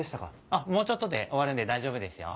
あっもうちょっとで終わるんで大丈夫ですよ。